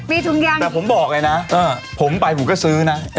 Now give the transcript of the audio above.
มีถุงยางแต่ผมบอกเลยนะผมไปผมก็ซื้อนะ